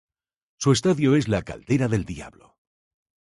Su estadio es la Caldera del Diablo.